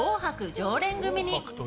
常連組に。